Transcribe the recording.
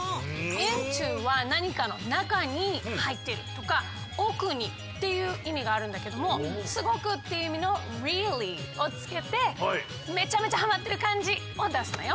「ｉｎｔｏ」は「なにかの中にはいってる」とか「奥に」っていういみがあるんだけども「すごく」っていういみの「ｒｅａｌｌｙ」をつけてめちゃめちゃハマってるかんじをだすのよ。